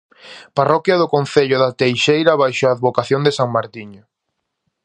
Parroquia do concello da Teixeira baixo a advocación de san Martiño.